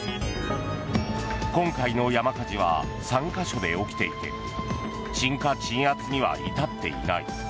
今回の山火事は３か所で起きていて鎮火・鎮圧には至っていない。